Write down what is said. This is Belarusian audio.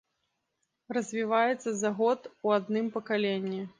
Развіваецца за год у адным пакаленні.